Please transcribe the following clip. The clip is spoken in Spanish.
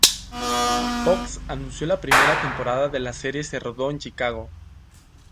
Fox anunció que la primera temporada de la serie se rodó en Chicago.